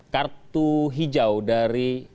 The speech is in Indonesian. kartu hijau dari